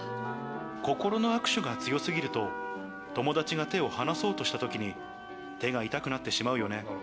心の握手が強すぎると、友達が手を離そうとしたときに手が痛くなってしまうよね。